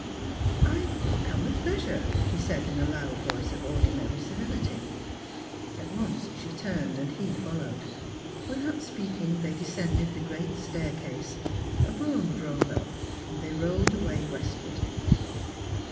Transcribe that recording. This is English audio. "I will come with pleasure," he said in a loud voice of ordinary civility. At once she turned, and he followed. Without speaking, they descended the great staircase; a brougham drove up; they rolled away westward.